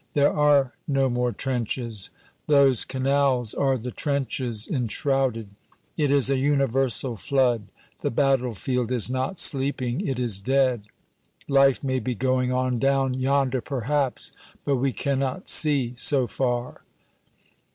There are no more trenches; those canals are the trenches enshrouded. It is a universal flood. The battlefield is not sleeping; it is dead. Life may be going on down yonder perhaps, but we cannot see so far.